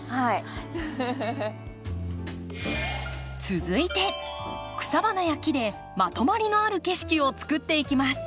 続いて草花や木でまとまりのある景色を作っていきます。